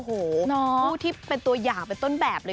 คู่ที่เป็นตัวหยาบเป็นต้นแบบเลย